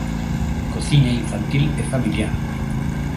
Cociña infantil e familiar.